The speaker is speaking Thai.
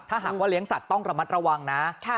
ถ้าหากว่าเลี้ยงสัตว์ต้องระมัดระวังนะ